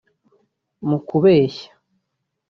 mu kubeshya